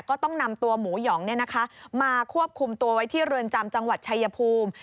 ก็ต้องนำตัวหมูหยองมาควบคุมตัวไว้ที่เรือนจำจังหวัดชายภูมิ